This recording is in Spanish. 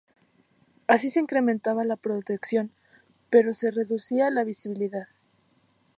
Así se incrementaba la protección, pero se reducía la visibilidad.